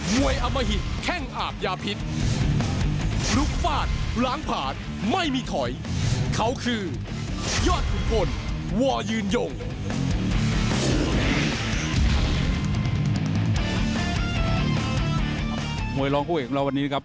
มวยล้องผู้อีกของเราวันนี้ครับ